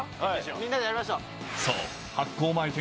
みんなでやりましょう。